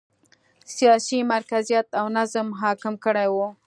سیاسي مرکزیت او نظم حاکم کړی و.